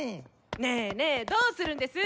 ねねどうするんです？